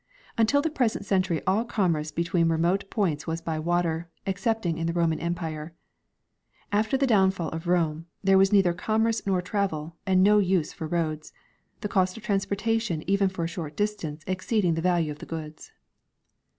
Untilthe present century all commerce between remote j)oints was by water, excepting in the Roman Empire. After the down fall of Rome there was neither commerce nor travel and no use for roads, the cost of transportation even for a short distance ex ceeding the value of the goods.